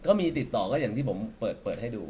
ก็มีติดต่อก็อย่างที่ผมเปิดให้ดู